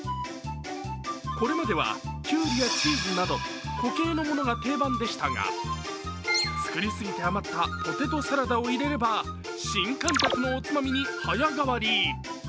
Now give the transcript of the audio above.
これまではきゅうりやチーズなど固形のものが定番でしたが作りすぎて余ったポテトサラダを入れれば新感覚のおつまみに早変わり。